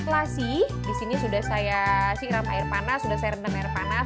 flasi disini sudah saya siram air panas sudah saya rendam air panas